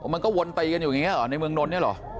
มันก็วนตีกันอย่างนี้หรอในเมืองนนที่เหรอ